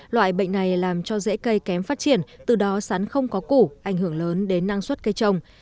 loại bệnh này làm cho rễ cây kém phát triển từ đó sắn không có củ ảnh hưởng lớn đến năng suất cây trồng